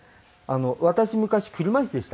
私昔車イスでした。